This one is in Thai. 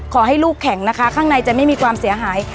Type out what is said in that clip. ขอให้ลูกแข็งนะคะข้างในจะไม่มีความเสียหาย